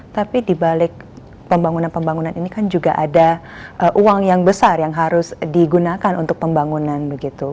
tapi dibalik pembangunan pembangunan ini kan juga ada uang yang besar yang harus digunakan untuk pembangunan begitu